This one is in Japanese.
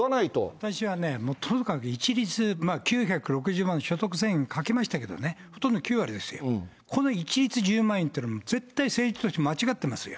私はね、とにかく一律９６０万、所得制限かけましたけど、ほとんど９割ですよ、この一律１０万円というのは、絶対政治として間違ってますよ。